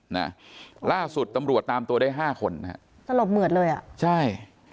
น่ะล่าสุดตำรวจตามตัวได้ห้าคนนะฮะสลบเหมือดเลยอ่ะใช่